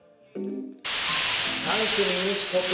３組に１組。